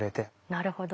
なるほど。